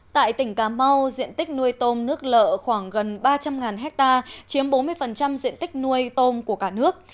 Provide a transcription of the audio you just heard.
tại tỉnh cà mau diện tích nuôi tôm nước lợ khoảng gần ba trăm linh ha chiếm bốn mươi diện tích nuôi tôm của cả nước